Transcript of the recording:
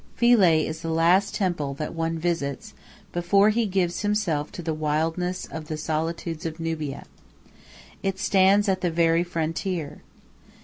Philae is the last temple that one visits before he gives himself to the wildness of the solitudes of Nubia. It stands at the very frontier.